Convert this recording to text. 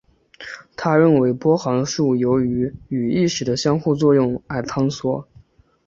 他认为波函数由于与意识的相互作用而坍缩。